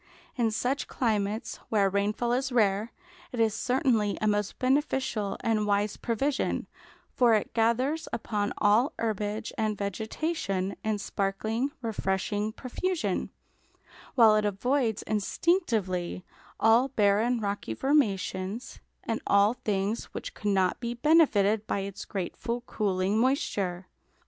In such climates, where a rainfall is rare, it is certainly a most beneficial and wise provision, for it gathers upon all herbage and vegetation, in sparkling, refreshing profusion; while it avoids instinctively all barren rocky formations and all things which could not be benefited by its grateful cooling, moisture.